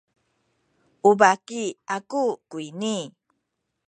u baki aku kuyni.